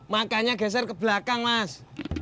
makanya geser ke belakang mas